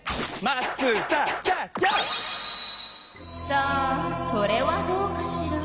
さあそれはどうかしら？